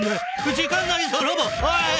時間ないぞロボおい。